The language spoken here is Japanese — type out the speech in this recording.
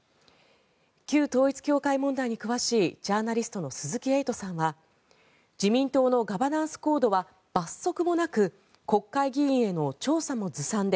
旧統一教会問題に詳しいジャーナリストの鈴木エイトさんは自民党のガバナンスコードは罰則もなく国会議員への調査もずさんで